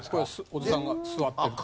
おじさんが座ってる。